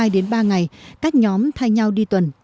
hai đến ba ngày các nhóm thay nhau đi tuần